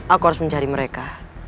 aku harus mencari mereka